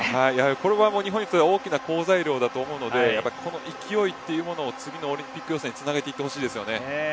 これは日本にとって大きな好材料だと思うのでこの勢いというものを次のオリンピック予選につなげてほしいですよね。